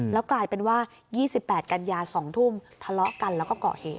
แล้วกลายเป็นว่า๒๘กันยา๒ทุ่มทะเลาะกันแล้วก็ก่อเหตุ